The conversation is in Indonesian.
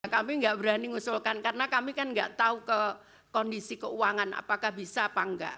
kami nggak berani ngusulkan karena kami kan nggak tahu ke kondisi keuangan apakah bisa apa enggak